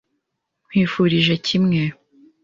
Nkwifurije kimwe.